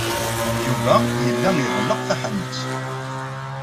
Yuba yella iɣelleq taḥanut.